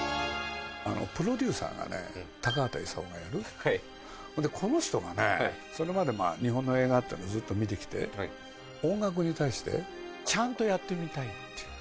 プロデューサーがね、高畑勲がやる、この人がね、そのまで日本の映画っていうのをずっと見てきて、音楽に対してちゃんとやってみたいって。